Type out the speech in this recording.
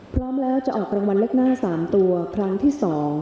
พร้อมแล้วจะออกรางวัลเลขหน้า๓ตัวครั้งที่๒